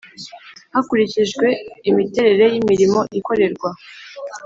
hakurikijwe imiterere y imirimo ikorerwa